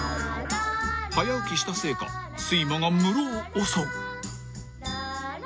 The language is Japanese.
［早起きしたせいか睡魔がムロを襲う］